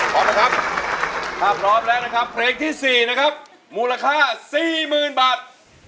พร้อมนะครับถ้าพร้อมแล้วนะครับเพลงที่๔นะครับมูลค่า๔๐๐๐บาท